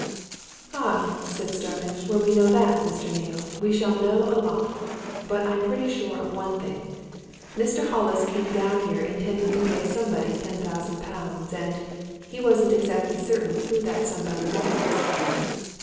"Ah!" said Starmidge, "when we know that, Mr. Neale, we shall know a lot! But I'm pretty sure of one thing. Mr. Hollis came down here intending to pay somebody ten thousand pounds. And he wasn't exactly certain who that somebody was!"